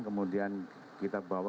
kemudian kita bawa ke jawa barat